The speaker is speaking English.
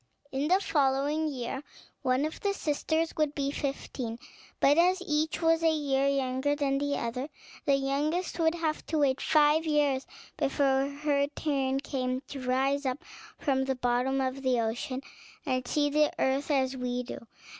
In the following year, one of the sisters would be fifteen: but as each was a year younger than the other, the youngest would have to wait five years before her turn came to rise up from the bottom of the ocean, and see the earth as we do.